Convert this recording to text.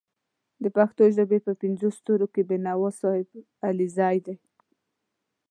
د پښتو ژبې په پینځو ستورو کې بېنوا صاحب علیزی دی